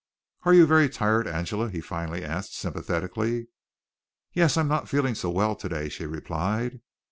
"Are you very tired, Angela?" he finally asked sympathetically. "Yes, I'm not feeling so well today," she replied.